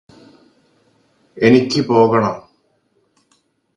എനിക്ക് പോകണം